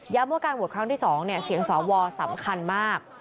ว่าการโหวตครั้งที่๒เสียงสวสำคัญมาก